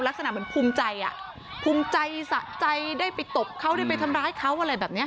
ลักษณะเหมือนภูมิใจอ่ะภูมิใจสะใจได้ไปตบเขาได้ไปทำร้ายเขาอะไรแบบนี้